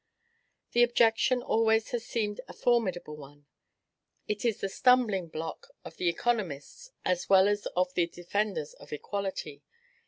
This objection always has seemed a formidable one. It is the stumbling block of the economists, as well as of the defenders of equality.